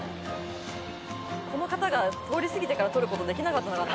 この方が通り過ぎてから撮ることできなかったのかな？